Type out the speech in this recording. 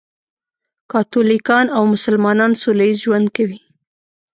کاتولیکان او مسلمانان سولهییز ژوند کوي.